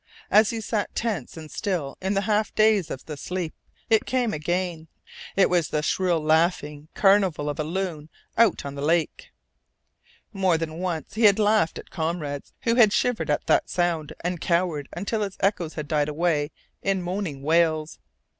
As he sat tense and still in the half daze of the sleep it came again. It was the shrill laughing carnival of a loon out on the lake. More than once he had laughed at comrades who had shivered at that sound and cowered until its echoes had died away in moaning wails.